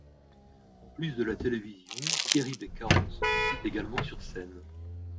En plus de la télévision, Thierry Beccaro se produit également sur scène.